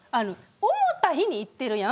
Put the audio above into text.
思った日に行ってるやん